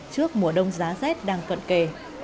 trước mùa đông giá rét đang cận kề